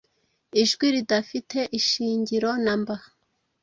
Ijwi ridafite ishingiro namba